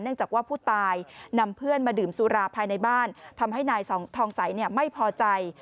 จากว่าผู้ตายนำเพื่อนมาดื่มสุราภายในบ้านทำให้นายทองใสไม่พอใจ